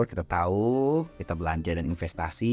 kita tahu kita belanja dan investasi